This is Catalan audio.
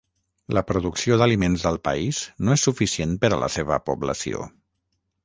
La producció d'aliments al país no és suficient per a la seva població.